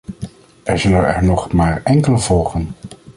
Er zullen er nog maar enkele volgen.